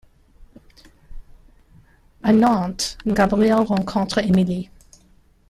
À Nantes, Gabriel rencontre Émilie.